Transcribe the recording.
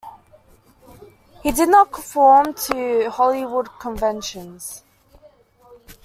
He did not conform to Hollywood conventions.